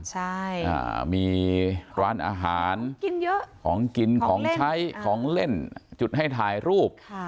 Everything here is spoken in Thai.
ใช่มีร้านอาหารกินเยอะของกินของใช้ของเล่นจุดให้ถ่ายรูป